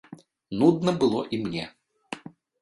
Нудна было і мне.